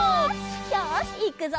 よしいくぞ！